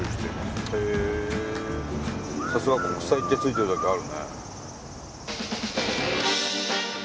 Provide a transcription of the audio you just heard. さすが国際って付いてるだけあるね。